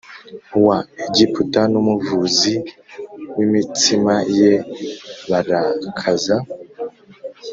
wa Egiputa n umuvuzi w imitsima ye barakaza